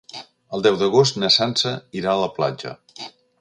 El deu d'agost na Sança irà a la platja.